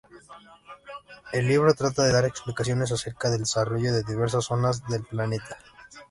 El libro trata de dar explicaciones acerca del desarrollo de diversas zonas del Planeta.